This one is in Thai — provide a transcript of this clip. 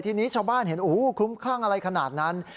ทีนี้ชาวบ้านเห็นโอ้โหคลุ้มคลั่งอะไรขนาดนั้น